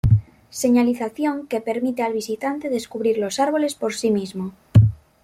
Señalización que permite al visitante descubrir los árboles por sí mismo.